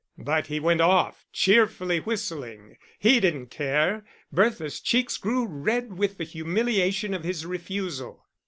But he went off, cheerfully whistling. He didn't care. Bertha's cheeks grew red with the humiliation of his refusal.